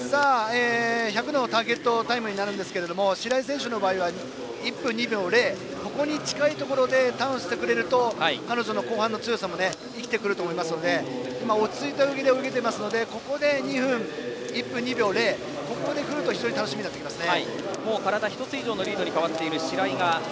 １００のターゲットタイムになるんですが白井選手の場合は１分２９秒０に近いところでターンしてくれると彼女の後半の強さも生きてくると思いますので落ち着いて泳げていますのでここで１分２秒０でいけると体１つ以上のリード、白井。